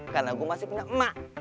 karena gue masih punya emak